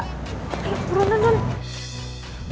eh buruan nonton